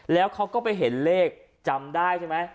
แล้วเขาก็ไปเห็นเลขจำได้ใช่ไหม